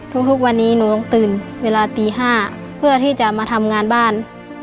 ทุกวันนี้หนูต้องตื่นเวลาตี๕เพื่อที่จะมาทำงานบ้าน